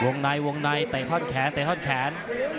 ในวงในเตะท่อนแขนเตะท่อนแขน